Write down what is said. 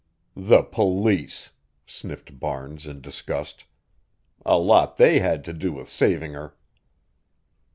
"The police!" sniffed Barnes in disgust. "A lot they had to do with saving her."